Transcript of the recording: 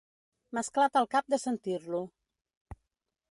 M'esclata el cap de sentir-lo.